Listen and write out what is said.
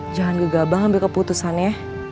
jangan gegabah ambil keputusannya